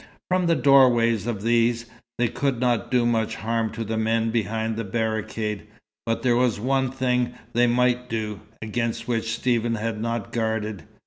From the doorways of these, they could not do much harm to the men behind the barricade. But there was one thing they might do, against which Stephen had not guarded.